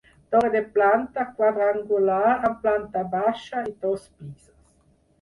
Torre de planta quadrangular amb planta baixa i dos pisos.